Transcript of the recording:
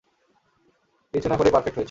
কিছু না করেই পার্ফেক্ট হয়েছেন।